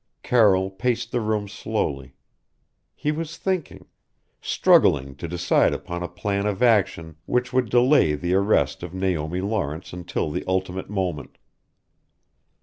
Carroll paced the room slowly. He was thinking struggling to decide upon a plan of action which would delay the arrest of Naomi Lawrence until the ultimate moment.